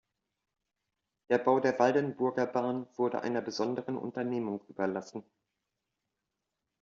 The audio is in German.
Der Bau der Waldenburgerbahn wurde einer besonderen Unternehmung überlassen.